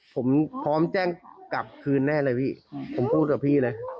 ผมพร้อมแจ้งกลับคืนแน่เลยพี่ผมพูดกับพี่เลย